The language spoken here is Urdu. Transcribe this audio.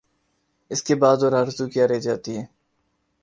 اس کے بعد اور آرزو کیا رہ جاتی ہے؟